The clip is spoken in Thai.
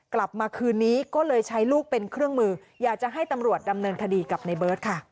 กลับมาคืนนี้ก็เลยใช้ลูกเป็นเครื่องมืออยากจะให้ตำรวจดำเนินคดีกับในเบิร์ตค่ะ